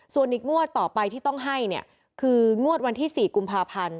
ส่วนอีกงวดต่อไปที่ต้องให้เนี่ยคืองวดวันที่๔กุมภาพันธ์